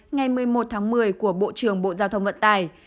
ngày một mươi một tháng một mươi của bộ trưởng bộ giao thông vận tải